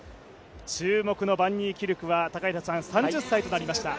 注目のバン・ニーキルクは３０歳となりました。